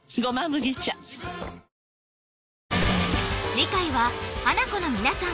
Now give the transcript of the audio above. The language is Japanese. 次回はハナコの皆さん